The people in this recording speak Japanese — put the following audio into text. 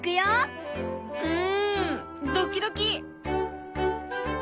うんドッキドキ！